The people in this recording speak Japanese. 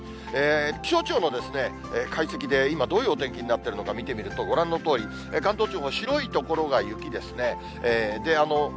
気象庁の解析で今、どういうお天気になっているのか見てみると、ご覧のとおり関東地方、白い所が雪ですね。